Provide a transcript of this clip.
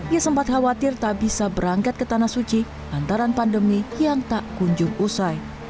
ia sempat khawatir tak bisa berangkat ke tanah suci antara pandemi yang tak kunjung usai